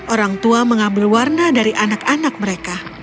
orang tua mengambil warna dari anak anak mereka